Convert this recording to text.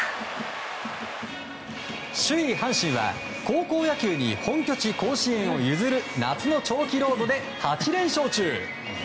首位、阪神は高校野球に本拠地・甲子園を譲る夏の長期ロードで８連勝中。